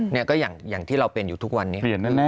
เนี่ยก็อย่างที่เราเป็นอยู่ทุกวันนี้